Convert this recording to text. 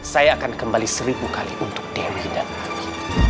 saya akan kembali seribu kali untuk dewi dan agi